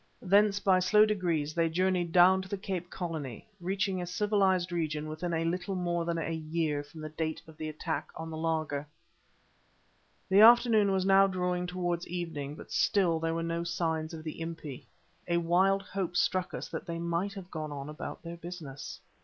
Thence by slow degrees they journeyed down to the Cape Colony, reaching a civilized region within a little more than a year from the date of the attack on the laager. The afternoon was now drawing towards evening, but still there were no signs of the Impi. A wild hope struck us that they might have gone on about their business.